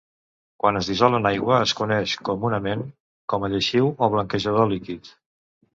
Quan es dissol en aigua, es coneix comunament com a lleixiu o blanquejador líquid.